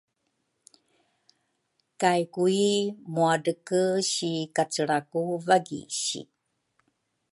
kay Kui muadrege si kacelra ku wagisi.